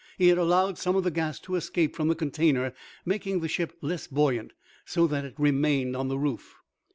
He had allowed some of the gas to escape from the container, making the ship less buoyant, so that it remained on the roof.